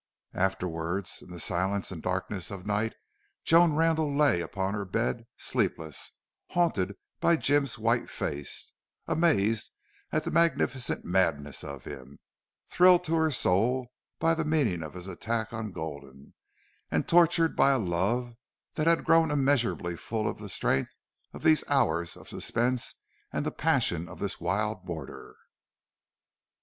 Afterward, in the silence and darkness of night, Joan Randle lay upon her bed sleepless, haunted by Jim's white face, amazed at the magnificent madness of him, thrilled to her soul by the meaning of his attack on Gulden, and tortured by a love that had grown immeasurably full of the strength of these hours of suspense and the passion of this wild border.